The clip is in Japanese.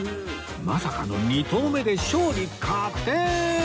まさかの２投目で勝利確定！